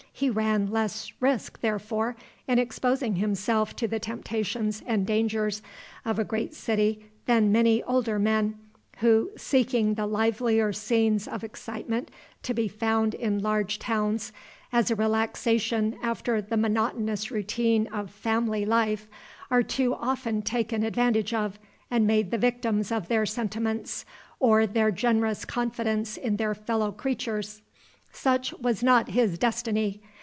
He ran less risk, therefore, in exposing himself to the temptations and dangers of a great city than many older men, who, seeking the livelier scenes of excitement to be found in large towns as a relaxation after the monotonous routine of family life, are too often taken advantage of and made the victims of their sentiments or their generous confidence in their fellow creatures. Such was not his destiny.